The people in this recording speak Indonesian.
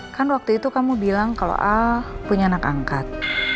kan waktu itu kamu bilang kalau a punya anak angkat